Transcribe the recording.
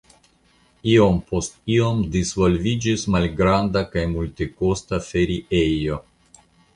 Iom post iom disvolviĝis malgranda kaj multekosta feriejo.